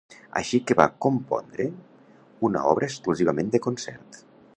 Així que va compondre una obra exclusivament de concert.